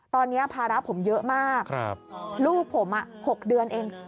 ตอนนี้ภาระผมเยอะมากลูกผม๖เดือนเอง